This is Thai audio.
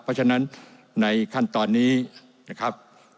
เพราะฉะนั้นในขั้นตอนนี้นะครับ